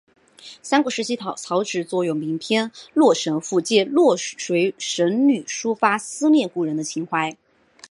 三国时期曹植作有名篇洛神赋借洛水神女抒发思念故人的情怀。